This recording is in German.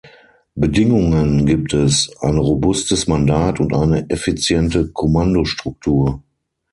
Bedingungen gibt es, ein robustes Mandat und eine effiziente Kommandostruktur.